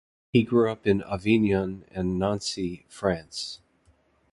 He grew up in Avignon and Nancy, France.